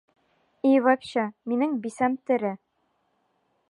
И, вообще, минең бисәм тере!